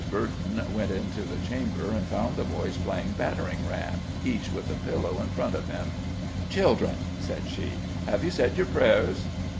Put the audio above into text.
Burton went into the chamber and found the boys playing battering ram, each with a pillow in front of him. "Children," said she, "have you said your prayers?"